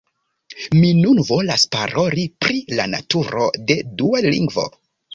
Mi nun volas paroli pri la naturo de dua lingvo.